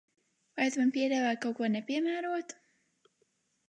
Vai tu man piedāvā kaut ko nepiemērotu?